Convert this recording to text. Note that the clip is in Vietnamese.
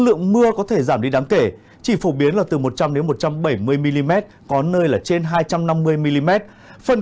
lượng mưa có thể giảm đi đáng kể chỉ phổ biến là từ một trăm linh một trăm bảy mươi mm có nơi là trên hai trăm năm mươi mm phân